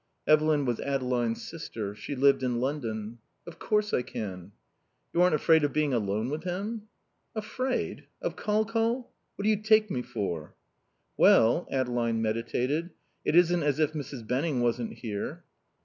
Evelyn was Adeline's sister. She lived in London. "Of course I can." "You aren't afraid of being alone with him?" "Afraid? Of Col Col? What do you take me for?" "Well " Adeline meditated. "It isn't as if Mrs. Benning wasn't here."